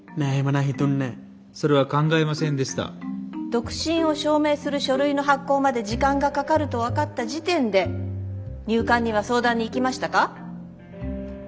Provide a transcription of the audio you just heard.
独身を証明する書類の発行まで時間がかかると分かった時点で入管には相談に行きましたか？